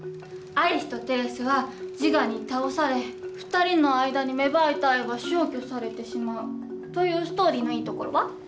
アリスとテレスはジガに倒され２人の間に芽生えた愛は消去されてしまうというストーリーのいいところは？